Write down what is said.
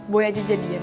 boy aja jadian